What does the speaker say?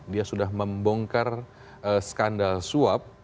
dia sudah membongkar skandal suap